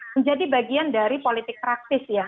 menjadi bagian dari politik praktis ya